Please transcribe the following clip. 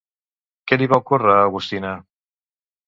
Què li va ocórrer a Agustina?